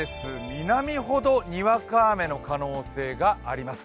南ほどにわか雨の可能性があります。